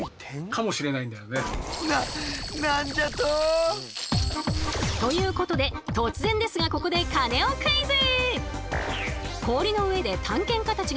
かもしれないんだよね。ということで突然ですがここでカネオクイズ！